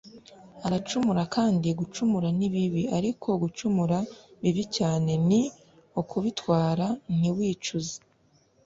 aracumura kandi gucumura ni bibi ariko gucumura bibi cyane ni ukubitwara ntiwicuze